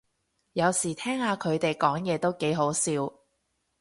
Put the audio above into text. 有時聽下佢哋講嘢都幾好笑